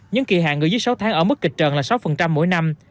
những kỳ hạng gửi dứt sáu tháng ở mức kịch trần là sáu mỗi năm